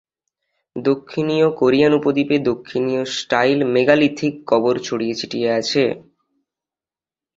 দক্ষিণীয় Korean উপদ্বীপে দক্ষিণীয় style megalithic কবর ছড়িয়ে ছিটিয়ে আছে।